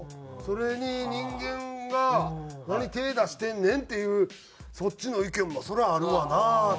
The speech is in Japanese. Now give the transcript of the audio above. それに人間が何手を出してんねんっていうそっちの意見もそりゃあるわなっていう。